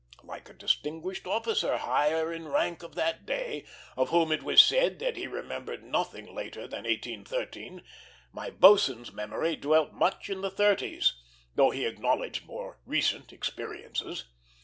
Like a distinguished officer higher in rank of that day, of whom it was said that he remembered nothing later than 1813, my boatswain's memory dwelt much in the thirties, though he acknowledged more recent experiences.